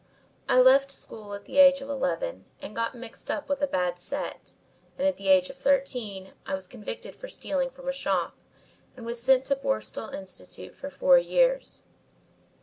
I left school at the age of eleven and got mixed up with a bad set, and at the age of thirteen I was convicted for stealing from a shop, and was sent to Borstal Institute for four years.